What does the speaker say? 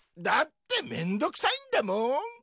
だってめんどうくさいんだもん。